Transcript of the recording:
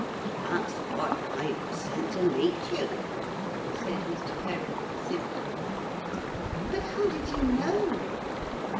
'That's why I was sent to meet you,' said Mr. Perrin simply. 'But how did you know?'